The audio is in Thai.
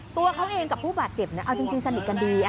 ตัวเขาเองกับผู้บาดเจ็บเอาจริงสนิทกันดี